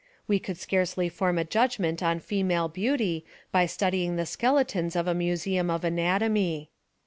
We could scarcely form a judgment on female beauty by studying the skeletons of a museum of anatomy.